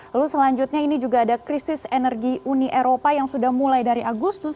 lalu selanjutnya ini juga ada krisis energi uni eropa yang sudah mulai dari agustus